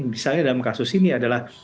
misalnya dalam kasus ini adalah